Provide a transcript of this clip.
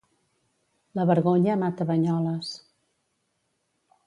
La vergonya mata Banyoles...